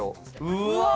うわ！